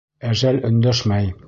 Әжәл өндәшмәй.